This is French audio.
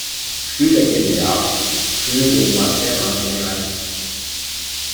Plus la gamme est large, plus nous avons affaire à un généraliste.